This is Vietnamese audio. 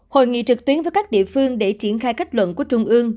hội nghị trực tuyến với các địa phương để triển khai kết luận của trung ương